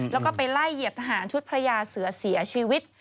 แล้วก็ไปไล่เหยียบทหารชุดพระยาเสือเสียชีวิต